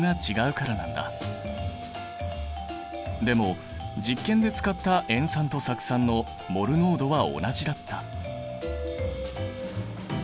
でも実験で使った塩酸と酢酸のモル濃度は同じだった。